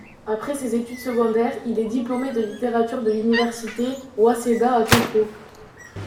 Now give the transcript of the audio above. Après ses études secondaires il est diplômé de littérature de l'université Waseda à Tokyo.